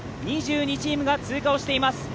２２チームが通過をしています。